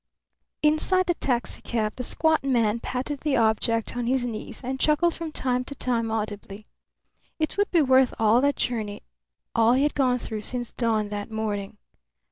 Inside the taxicab the squat man patted the object on his knees, and chuckled from time to time audibly. It would be worth all that journey, all he had gone through since dawn that morning.